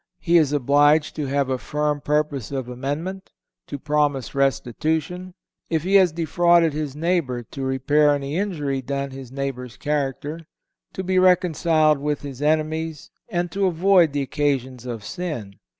He is obliged to have a firm purpose of amendment, to promise restitution, if he has defrauded his neighbor, to repair any injury done his neighbor's character, to be reconciled with his enemies and to avoid the occasions of sin.